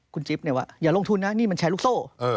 คุณจิ๊บเนี่ยว่าอย่าลงทุนนะนี่มันแชร์ลูกโซ่